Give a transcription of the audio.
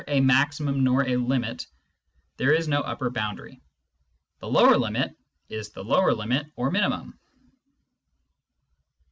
a maximum nor a limit, there is no upper boundary. The " lower boundary " is the lower limit or minimum.